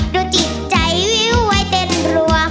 จิตใจวิวไว้เต้นรัว